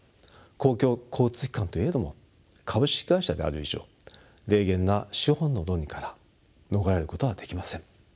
公共交通機関といえども株式会社である以上冷厳な資本の論理から逃れることはできません。